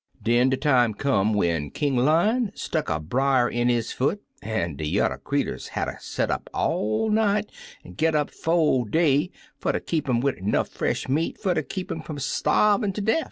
Den de time come when King Lion stuck a brier in his foot, an' de yuther creeturs hatter set up all night an' git up 'fo' day fer ter keep 'im wid 'nough fresh meat fer ter keep ^im fum starvin' ter deff.